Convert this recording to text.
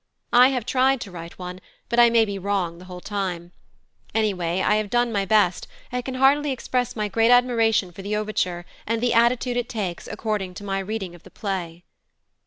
I have tried to write one, but I may be wrong the whole time; anyway, I have done my best, and can heartily express my great admiration for the overture and the attitude it takes according to my reading of the play.